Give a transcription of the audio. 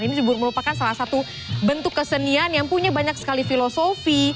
ini merupakan salah satu bentuk kesenian yang punya banyak sekali filosofi